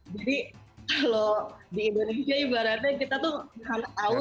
jadi kalau di indonesia ibaratnya kita tuh nahan awut gitu ya